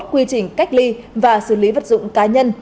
quy trình cách ly và xử lý vật dụng cá nhân